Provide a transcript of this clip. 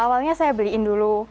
awalnya saya beliin dulu